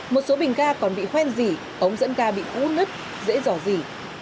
một số bình ga còn bị hoen dỉ ống dẫn ga bị cũ nứt dễ dò dỉ